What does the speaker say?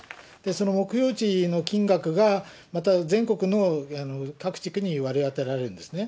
その目標値の金額が、また全国の各地区に割り当てられるんですね。